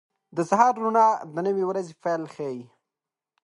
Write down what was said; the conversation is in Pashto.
• د سهار روڼا د نوې ورځې پیل ښيي.